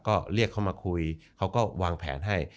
ก็เรียกเขามาคุยเขาก็วางแผนให้